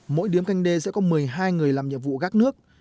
mỗi điếm canh đê sẽ có một mươi hai người làm nhiệm vụ gác nước